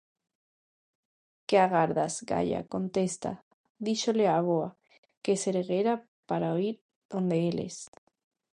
-Que agardas, Gaia, contesta! -díxolle a avoa, que se erguera para ir onda eles-.